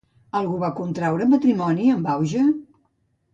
Algú va contreure matrimoni amb Auge?